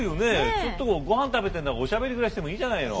ちょっとごはん食べてるならおしゃべりぐらいしてもいいじゃないの。